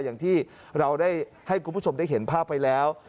อย่างที่เราได้ให้คุณผู้ชมได้เห็นภาพไปแล้ว